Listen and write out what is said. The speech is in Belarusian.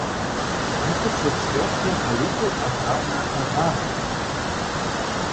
Гэта чацвёртая па ліку аграрная праграма.